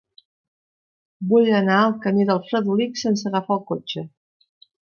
Vull anar al camí del Fredolic sense agafar el cotxe.